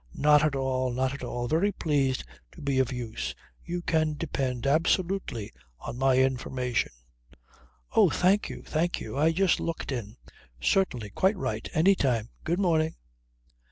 "Not at all, not at all. Very pleased to be of use. You can depend absolutely on my information" "Oh thank you, thank you. I just looked in." "Certainly, quite right. Any time ... Good morning."